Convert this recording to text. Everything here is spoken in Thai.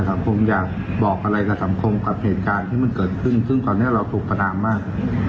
ผมไม่คิดจะทำร้ายใครหรอก